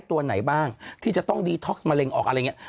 ตัวไหนบ้างที่จะต้องดีท็อกซ์มะเร็งออกอะไรอย่างนี้